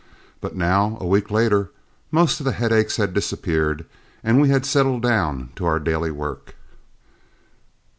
But now, a week later, most of the headaches had disappeared and we had settled down to our daily work.